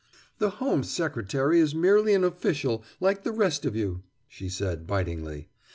"The Home Secretary is merely an official like the rest of you," she said bitingly.